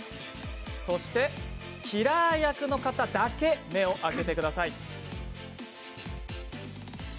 そして、キラー役の方だけ目を開けてください。